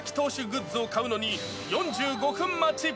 グッズを買うのに４５分待ち。